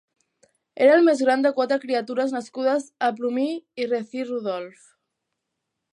Era el més gran de quatre criatures nascudes a Plumie i Rethie Rudolph.